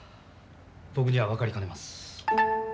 僕には分かりかねます。